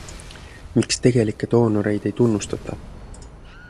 Miks tegelikke doonoreid ei tunnustata ?